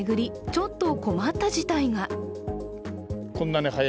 ちょっと困った事態が。